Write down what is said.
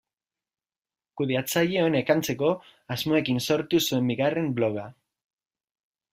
Kudeatzaile honek antzeko asmoekin sortu zuen bigarren bloga.